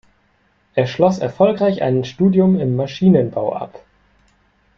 Er schloss erfolgreich ein Studium im Maschinenbau ab.